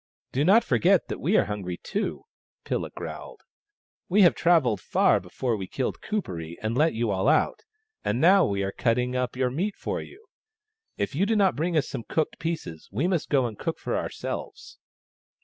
" Do not forget that we are hungry too," Pilla growled. " We have travelled far before we killed Kuperee and let you all out, and now we are cutting 44 THE STONE AXE OF BURKAMUKK up your meat for you. If you do not bring us some cooked pieces we must go and cook for our selves."